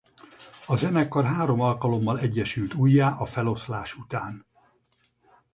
A zenekar három alkalommal egyesült újjá a feloszlás után.